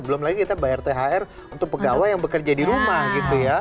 belum lagi kita bayar thr untuk pegawai yang bekerja di rumah gitu ya